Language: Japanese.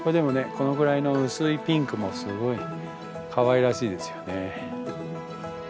このぐらいの薄いピンクもすごいかわいらしいですよね。